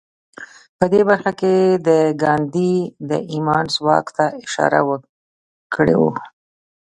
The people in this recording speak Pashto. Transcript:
په دې برخه کې به د ګاندي د ايمان ځواک ته اشاره وکړو.